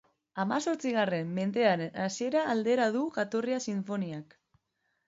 Hamazortzigarren mendearen hasiera aldera du jatorria sinfoniak.